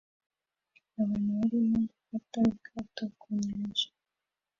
Abantu barimo gufata ubwato ku nyanja